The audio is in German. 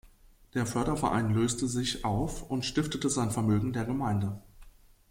Der Förderverein löste sich auf und stiftete sein Vermögen der Gemeinde.